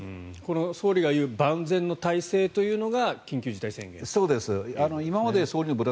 総理が言う万全の体制というのが緊急事態宣言と。